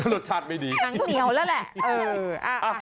รสชาติอร่อยดีหรอน้ำเหนียวแล้วแหละ